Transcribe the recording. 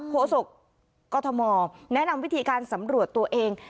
โศกกรทมแนะนำวิธีการสำรวจตัวเอง